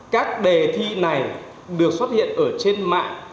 các đề thi này được xuất hiện ở trên mạng